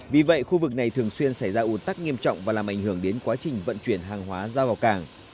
vì vậy khu vực này thường xuyên xảy ra ủn tắc nghiêm trọng và làm ảnh hưởng đến quá trình vận chuyển hàng hóa ra vào cảng